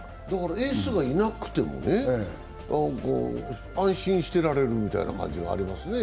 エースがいなくても安心ししてられるみたいな感じがありますね。